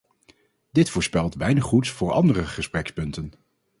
Dit voorspelt weinig goeds voor andere gesprekspunten.